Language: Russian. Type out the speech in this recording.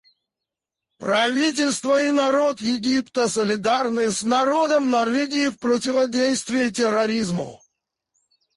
Правительство и народ Египта солидарны с народом Норвегии в противодействии терроризму.